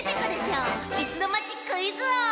「いすのまちクイズおう」